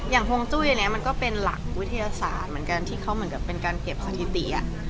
ห่วงจุ้ยอันนี้มันก็เป็นหลักวิทยาศาสตร์เหมือนกันที่เขาเหมือนกับเป็นการเก็บสถิติ